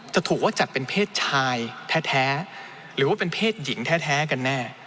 จะถูกว่าจัดเป็นเพศชายแท้หรือว่าเป็นเพศหญิงแท้กันแน่